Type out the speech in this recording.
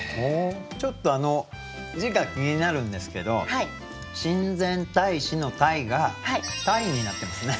ちょっとあの字が気になるんですけど「親善大使」の「大」が「鯛」になってますね。